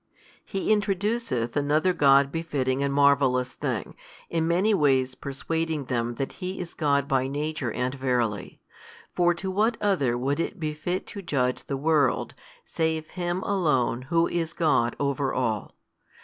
He introduceth another God befitting and marvellous thing, in many ways persuading them that He is God by Nature and Verily. For to what other would it befit to judge the world, save Him Alone Who is God over all.